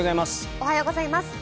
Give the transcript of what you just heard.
おはようございます。